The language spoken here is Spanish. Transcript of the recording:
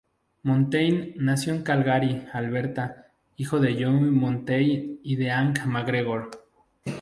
Monteith nació en Calgary, Alberta, hijo de Joe Monteith y de Ann McGregor.